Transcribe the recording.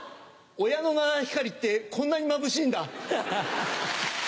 親の七光ってこんなにまぶしいんだ。